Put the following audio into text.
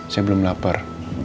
saya belum lapar